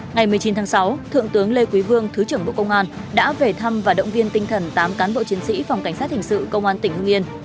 ngày một mươi chín tháng sáu thượng tướng lê quý vương thứ trưởng bộ công an đã về thăm và động viên tinh thần tám cán bộ chiến sĩ phòng cảnh sát hình sự công an tỉnh hưng yên